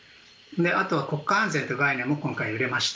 あと、国家安全という概念も今回、揺れました。